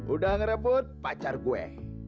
udah ngerebut pacar gue